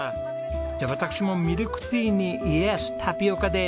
じゃあ私もミルクティーにイエスタピオカで。